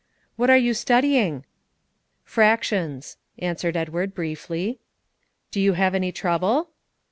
"What are you studying?" "Fractions," answered Edward briefly. "Do you have any trouble?"